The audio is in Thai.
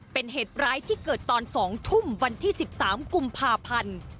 เป็นเหตุร้ายที่เกิดตอน๒ทุ่มวันที่๑๓กุมภาพันธ์